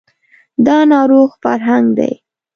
دا ناروغ فرهنګ دی